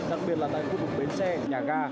đặc biệt là tại khu vực bến xe nhà ga